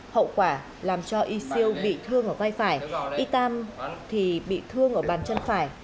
hậu quả làm cho isil bị thương ở vai phải itam thì bị thương ở bàn chân phải